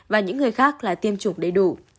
và những người khác là tiêm chủng đầy đủ